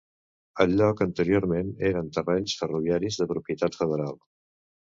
El lloc anteriorment eren terrenys ferroviaris de propietat federal.